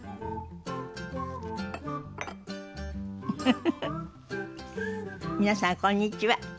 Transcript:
フフフフ皆さんこんにちは。